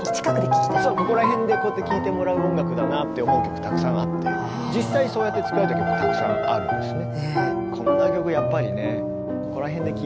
ここら辺でこうやって聴いてもらう音楽だなって思う曲たくさんあって実際そうやって作られた曲たくさんあるんですね。